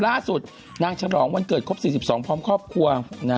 ล่าสุดนางฉลองวันเกิดครบ๔๒พร้อมครอบครัว